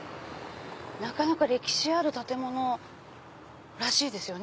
なかなか歴史ある建物らしいですよね。